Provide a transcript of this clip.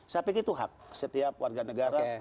saya pikir itu hak setiap warga negara